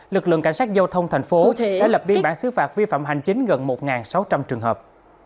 lực lượng cảnh sát giao thông thành phố đã lập biên bản xứ phạt vi phạm hành chính gần một sáu trăm linh trường hợp